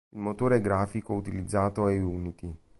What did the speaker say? Il motore grafico utilizzato è Unity.